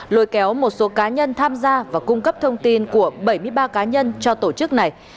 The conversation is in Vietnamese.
lôi kéo một số cá nhân tham gia và cung cấp thông tin của bảy mươi ba cá nhân cho tổ chức này